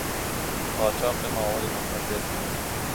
قاچاق مواد مخدر